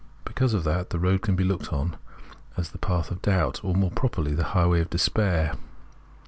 Because of that, the road can be looked on as the path of doubt, or more properly a highway of despair.